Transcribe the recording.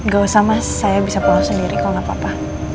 gak usah mas saya bisa pulang sendiri kalau nggak apa apa